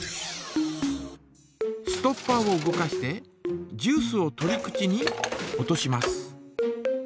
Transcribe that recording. ストッパーを動かしてジュースを取り口に落とします。